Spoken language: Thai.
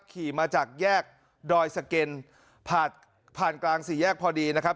ขี่มาจากแยกดอยสเก็นผ่านผ่านกลางสี่แยกพอดีนะครับ